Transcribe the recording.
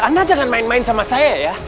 anda jangan main main sama saya ya